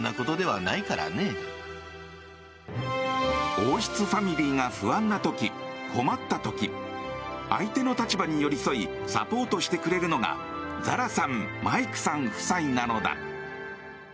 王室ファミリーが不安な時困った時相手の立場に寄り添いサポートしてくれるのがザラさん、マイクさん夫妻なのだ。